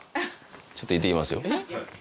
ちょっと行ってきますよ